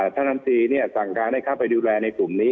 ที่บอก